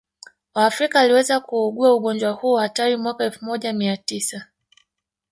waafrika waliweza kuugua ugonjwa huu hatari mwaka elfu moja mia tisa